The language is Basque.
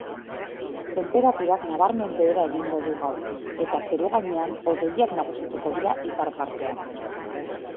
Tenperaturak nabarmen behera egingo du gaur eta zeru-gainean hodeiak nagusituko dira ipar partean.